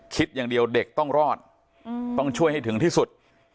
คิดอย่างเดียวเด็กต้องรอดต้องช่วยให้ถึงที่สุด